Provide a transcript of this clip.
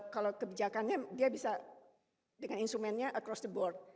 kalau kebijakannya dia bisa dengan instrumennya across the board